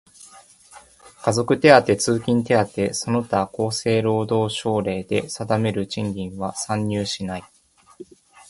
家族手当、通勤手当その他厚生労働省令で定める賃金は算入しない。